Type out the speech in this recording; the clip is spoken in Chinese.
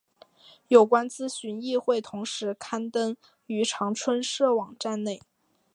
有关资讯亦会同时刊登于长春社网站内。